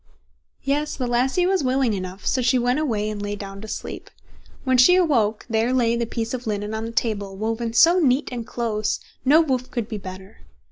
Yes, the lassie was willing enough; so she went away and lay down to sleep. When she awoke, there lay the piece of linen on the table, woven so neat and close, no woof could be better.